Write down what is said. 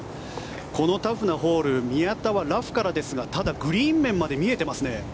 このタフなホール宮田はラフからですがただグリーン面まで見えてますね。